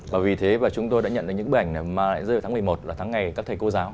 và vì thế chúng tôi đã nhận được những bài ảnh này mà lại rơi vào tháng một mươi một là tháng ngày các thầy cô giáo